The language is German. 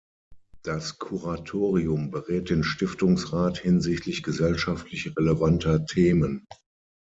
Das Kuratorium berät den Stiftungsrat hinsichtlich gesellschaftlich relevanter Themen.